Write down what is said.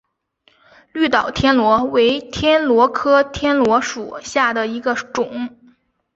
绿岛天螺为天螺科天螺属下的一个种。